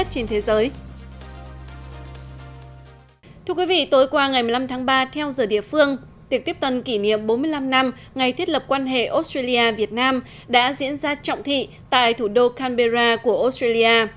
từ qua ngày một mươi năm tháng ba theo giờ địa phương tiệc tiếp tận kỷ niệm bốn mươi năm năm ngày thiết lập quan hệ australia việt nam đã diễn ra trọng thị tại thủ đô canberra của australia